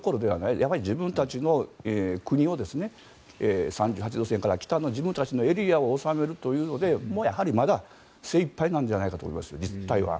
やはり自分たちの国を３８度線から北の自分たちのエリアを治めるのでまだ精いっぱいなんではないかと思います。